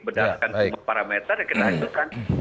berdasarkan semua parameter yang kita hasilkan